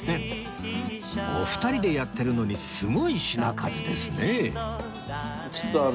お二人でやってるのにすごい品数ですね